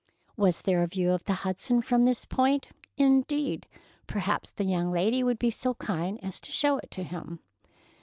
Was there a view of the Hudson from this point? Indeed! Perhaps the young lady would be so kind as to show it to him?